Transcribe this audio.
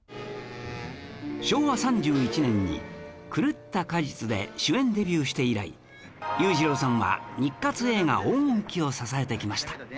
昭和３１年に『狂った果実』で主演デビューして以来裕次郎さんは日活映画黄金期を支えてきました